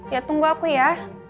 ya tunggu aku ya